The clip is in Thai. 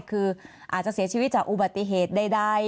คืออาจจะเสียชีวิตจากอุบัติเหตุใด